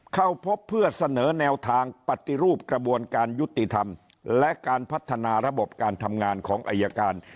เข้าพบเพื่อเสนอแนวทางปฏิรูปกระบวนการยุติธรรมและการพัฒนาระบบการทำงานของอายการ